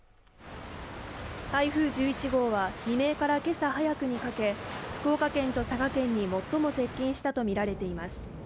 台風１１号は未明からけさ早くにかけ福岡県と佐賀県に最も接近したと見られています